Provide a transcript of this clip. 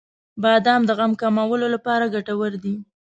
• بادام د غم کمولو لپاره ګټور دی.